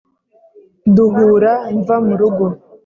duhura mva mu rugo